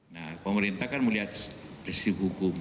nah pemerintah kan melihat prinsip hukum